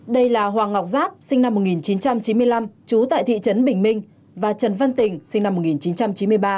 đây là hoàng ngọc giáp sinh năm một nghìn chín trăm chín mươi năm trú tại thị trấn bình minh và trần văn tình sinh năm một nghìn chín trăm chín mươi ba